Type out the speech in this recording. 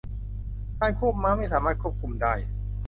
การควบม้าไม่สามารถควบคุมได้